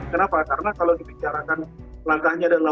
kenapa karena kalau dibicarakan langkahnya adalah